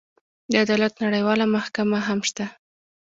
د عدالت نړیواله محکمه هم شته.